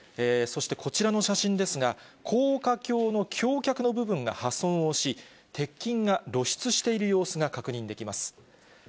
そしてこちらの写真ですが、高架橋の橋脚の部分が破損し、鉄筋が露出している様子が確認できます。